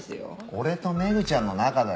俺とメグちゃんの仲だよ。